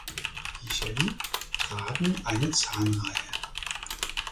Die Chelae tragen eine Zahnreihe.